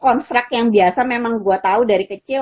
anak yang biasa memang gue tau dari kecil